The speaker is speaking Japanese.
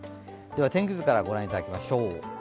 天気図から御覧いただきましょう。